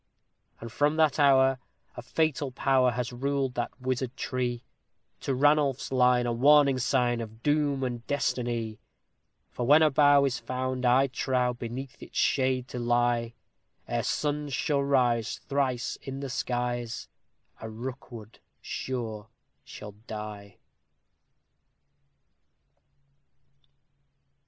And from that hour a fatal power has ruled that Wizard Tree, To Ranulph's line a warning sign of doom and destiny: For when a bough is found, I trow, beneath its shade to lie, Ere suns shall rise thrice in the skies a Rookwood sure shall die!